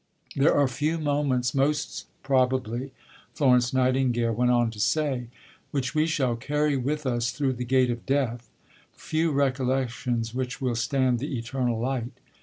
"There are few moments, most probably," Florence Nightingale went on to say, "which we shall carry with us through the gate of Death, few recollections which will stand the Eternal Light."